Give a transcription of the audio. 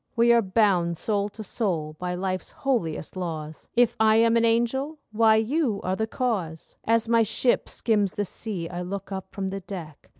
We are bound soul to soul by life's holiest laws; If I am an angel—why, you are the cause. As my ship skims the sea, I look up from the deck.